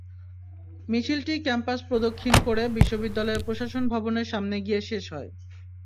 মিছিলটি ক্যাম্পাস প্রদক্ষিণ করে বিশ্ববিদ্যালয়ের প্রশাসন ভবনের সামনে গিয়ে শেষ হয়।